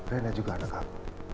reyna juga anak aku